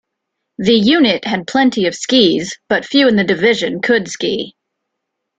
The unit had plenty of skis but few in the division could ski.